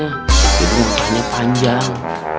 tapi dia langkahnya panjang